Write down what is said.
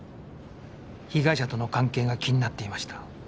被害者との関係が気になっていました